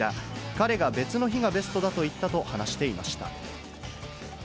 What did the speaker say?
彼が別の日がベストだと言ったと話していました。